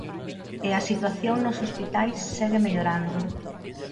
E a situación nos hospitais segue mellorando.